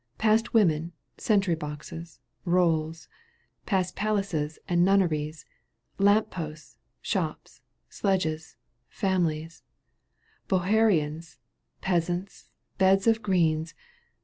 Past women, sentry boxes, rolls, Past palaces and nunneries, Lamp posts, shops, sledges, families, Bokharians, peasants, beds of greens.